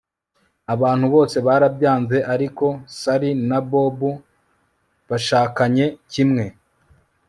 abantu bose barabyanze, ariko sally na bob bashakanye kimwe